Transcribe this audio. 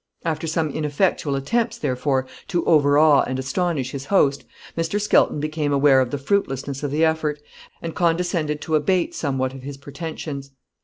After some ineffectual attempts, therefore, to overawe and astonish his host, Mr. Skelton became aware of the fruitlessness of the effort, and condescended to abate somewhat of his pretensions.